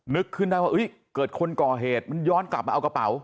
นึกขึ้นได้ว่าเกิดคนก่อเหตุมันย้อนกลับมาเอากระเป๋า